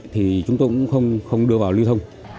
thì chúng tôi cũng không đưa vào lưu thông